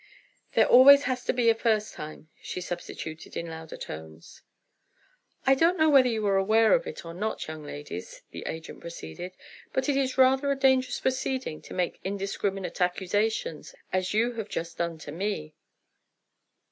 "There always has to be a first time," she substituted in louder tones. "I don't know whether you are aware of it, or not, young ladies," the agent proceeded, "but it is rather a dangerous proceeding to make indiscriminate accusations, as you have just done to me."